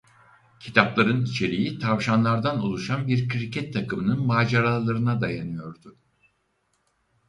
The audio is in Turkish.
Kitapların içeriği tavşanlardan oluşan bir kriket takımının maceralarına dayanıyordu.